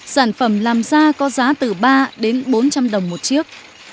sản phẩm làm ra có giá từ ba đến bốn trăm linh đồng một chiếc